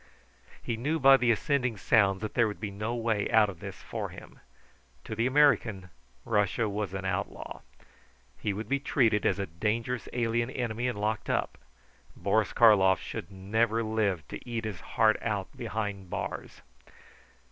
He knew by the ascending sounds that there would be no way out of this for him. To the American, Russia was an outlaw. He would be treated as a dangerous alien enemy and locked up. Boris Karlov should never live to eat his heart out behind bars.